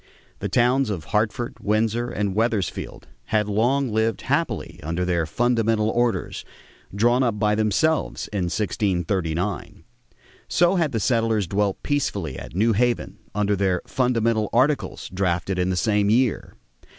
The towns of Hartford, Windsor, and Wethersfield had long lived happily under their "Fundamental Orders" drawn up by themselves in 1639; so had the settlers dwelt peacefully at New Haven under their "Fundamental Articles" drafted in the same year.